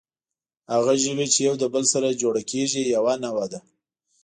هغه ژوي، چې یو له بل سره جوړه کېږي، یوه نوعه ده.